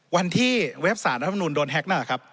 วันที่เว็บสารพนุนโดนแฮ็กนะครับ